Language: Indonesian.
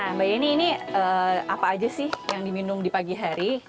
nah mbak yeni ini apa aja sih yang diminum di pagi hari